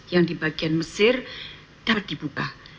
yang di bagian mesir dapat dibuka